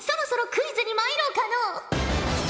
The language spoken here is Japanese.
クイズにまいろうかのう。